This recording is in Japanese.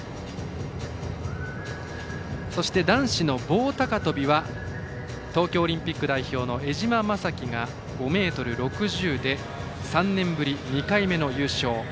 そして、男子の棒高跳びは東京オリンピック代表の江島雅紀が５ｍ６０で３年ぶり２回目の優勝。